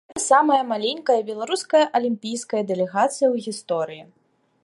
Гэта самая маленькая беларуская алімпійская дэлегацыя ў гісторыі.